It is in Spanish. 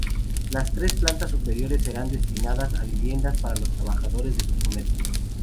Las tres plantas superiores serán destinadas a viviendas para los trabajadores de su comercio.